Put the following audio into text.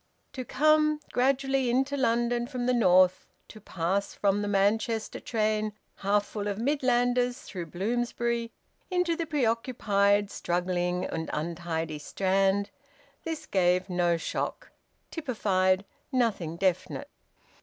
To come gradually into London from the North, to pass from the Manchester train half full of Midlanders through Bloomsbury into the preoccupied, struggling, and untidy Strand this gave no shock, typified nothing definite.